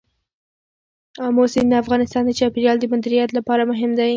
آمو سیند د افغانستان د چاپیریال د مدیریت لپاره مهم دی.